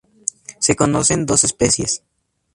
Se conocen dos especies.